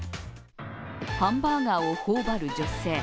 ハンバーガーを頬張る女性。